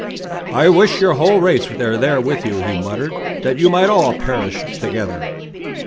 "I wish your whole race were there with you," he muttered, "that you might all perish together."